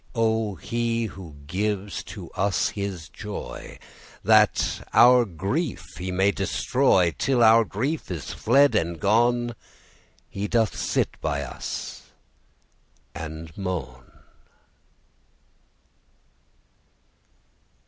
O He gives to us His joy, That our grief He may destroy: Till our grief is fled and gone He doth sit by us and moan.